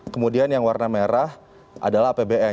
kemudian yang warna merah adalah apbn